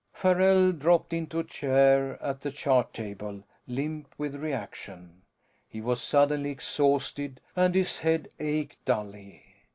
Farrell dropped into a chair at the chart table, limp with reaction. He was suddenly exhausted, and his head ached dully.